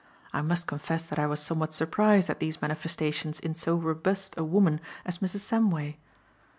I must confess that I was somewhat surprised at these manifestations in so robust a woman as Mrs. Samway.